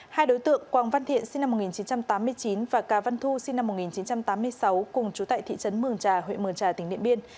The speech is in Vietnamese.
hai đối tượng quang văn thiện sinh năm một nghìn chín trăm tám mươi chín và cà văn thu sinh năm một nghìn chín trăm tám mươi sáu cùng chú tại thị trấn mường trà huyện mường trà tỉnh điện biên